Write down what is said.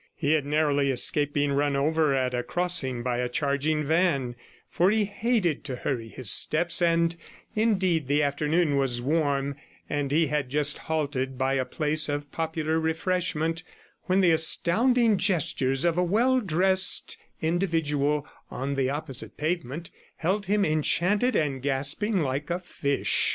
He had narrowly escaped being run over at a crossing by a charging van, for he hated to hurry his steps, and indeed the afternoon was warm; and he had just halted by a place of popular refreshment, when the astounding gestures of a well dressed individual on the opposite pavement held him enchanted and gasping like a fish.